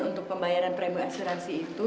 untuk pembayaran prebo asuransi itu